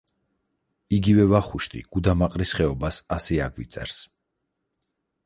იგივე ვახუშტი გუდამაყრის ხეობას ასე აგვიწერს.